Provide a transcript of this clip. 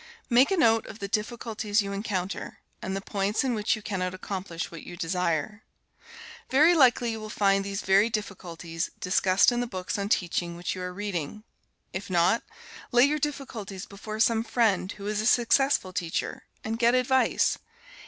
Make a note of the difficulties you encounter, and the points in which you cannot accomplish what you desire. Very likely you will find these very difficulties discussed in the books on teaching which you are reading. If not, lay your difficulties before some friend who is a successful teacher, and get advice.